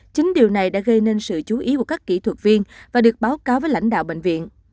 chính điều này đã gây nên sự chú ý của các kỹ thuật viên và được báo cáo với lãnh đạo bệnh viện